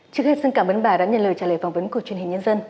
trước hết xin cảm ơn bà đã nhận lời trả lời phỏng vấn của truyền hình nhân dân